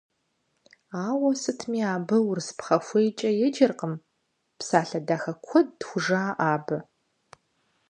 Ауэ сытми абы урыс пхъэхуейкӀэ еджэркъым, псалъэ дахэ куэд хужаӀэ абы.